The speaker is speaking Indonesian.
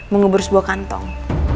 mengubur sebuah kantong